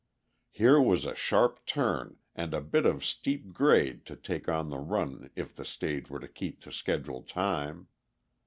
Here was a sharp turn and a bit of steep grade to take on the run if the stage were to keep to schedule time.